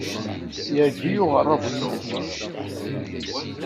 Yeɛjeb-iyi uɣerrabu-nnek.